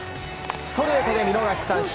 ストレートで見逃し三振。